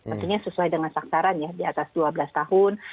artinya sesuai dengan saksarannya di atas dua belas tahun